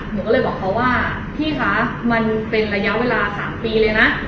หนูก็เลยบอกเขาว่าพี่คะมันเป็นระยะเวลา๓ปีเลยนะ